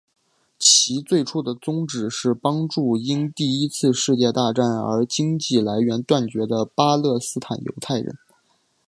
其最初的宗旨是帮助因第一次世界大战而经济来源断绝的巴勒斯坦犹太人。